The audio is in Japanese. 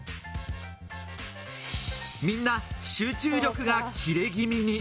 みんな集中力が切れ気味に。